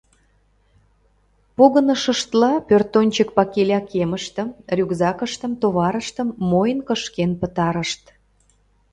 Погынышыштла, пӧртӧнчык пакиля кемыштым, рюкзакыштым, товарыштым мойн кышкен пытарышт.